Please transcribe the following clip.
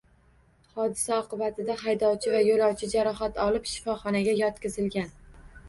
Hodisa oqibatida haydovchi va yo‘lovchi jarohat olib, shifoxonaga yotqizilgan